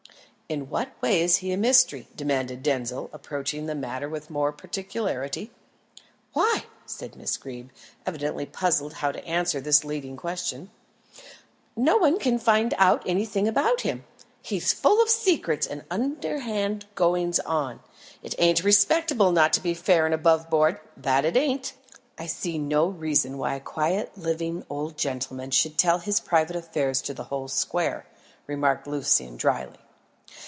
"In what way is he a mystery?" demanded Denzil, approaching the matter with more particularity. "Why," said Miss Greeb, evidently puzzled how to answer this leading question, "no one can find out anything about him. He's full of secrets and underhand goings on. It ain't respectable not to be fair and above board that it ain't." "I see no reason why a quiet living old gentleman should tell his private affairs to the whole square," remarked Lucian drily.